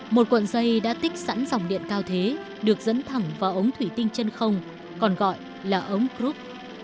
một cuộn dây đã tích sẵn dòng điện cao thế được dẫn thẳng vào ống thủy tinh chân không còn gọi là ống group